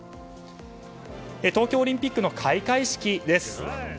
東京オリンピックの開会式です。